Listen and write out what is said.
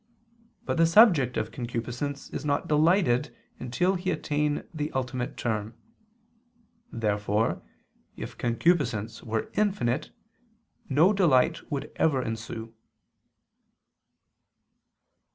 But the subject of concupiscence is not delighted until he attain the ultimate term. Therefore, if concupiscence were infinite, no delight would ever ensue.